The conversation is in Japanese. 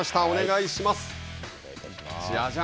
お願いします。